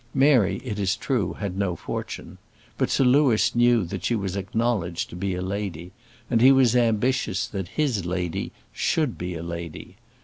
Mary, it is true, had no fortune. But Sir Louis knew that she was acknowledged to be a lady; and he was ambitious that his "lady" should be a lady.